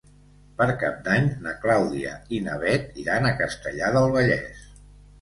Per Cap d'Any na Clàudia i na Bet iran a Castellar del Vallès.